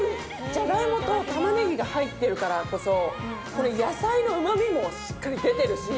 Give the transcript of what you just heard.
ジャガイモとタマネギが入ってるからこそ野菜のうまみもしっかり出ているし。